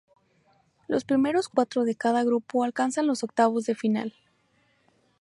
Los primeros cuatro de cada grupo alcanzan los octavos de final.